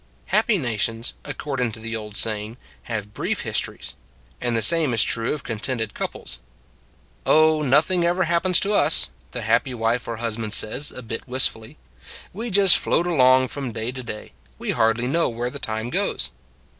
Happy nations, according to the old say ing, have brief histories; and the same is true of contented couples. " Oh, nothing ever happens to us," the 140 Unhappy Husbands and Wives 141 happy wife or husband says, a bit wistfully. " We just float along from day to day; we hardly know where the time goes."